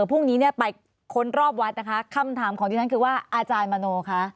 พรุ่งนี้เนี่ยไปค้นรอบวัดนะคะคำถามของที่ฉันคือว่าอาจารย์มโนคะ